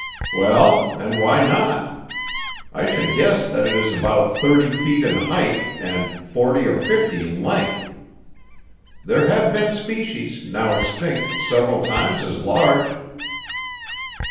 "Well, and why not? I should guess that it is about thirty feet in height and forty or fifty in length. There have been species, now extinct, several times as large."